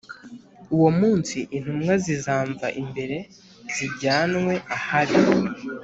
Uwo munsi intumwa zizamva imbere zijyanwe ahabi